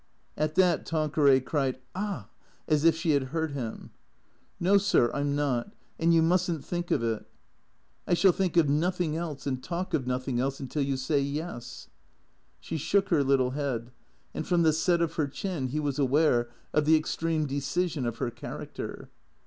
At that Tanqueray cried, " Ah," as if she had hurt him. " No, sir, I 'm not, and you must n't think of it." THECEEATORS 39 " I shall think of nothing else, and talk of nothing else, until you say yes." She shook her little head ; and from the set of her chin he was aware of the extreme decision of her character.